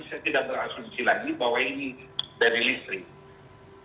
saya tidak berasumsi lagi bahwa ini dari listrik